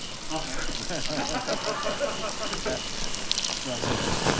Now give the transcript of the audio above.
発案者ですから。